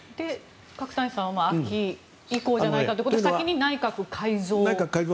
角谷さんは秋以降じゃないかということで先に内閣改造だと。